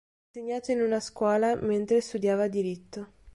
Ha insegnato in una scuola mentre studiava diritto.